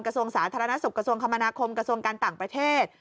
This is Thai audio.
กระทรวงสาธารณสุขกระทรวงคมนาคมกระทรวงการต่างประเทศ